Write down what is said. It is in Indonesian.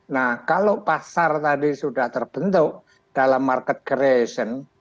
nah kalau pasar tadi sudah terbentuk dalam market creation